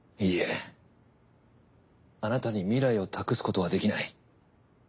いいえあなたに未来を託すことはできない。